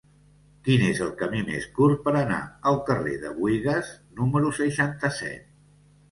Quin és el camí més curt per anar al carrer de Buïgas número seixanta-set?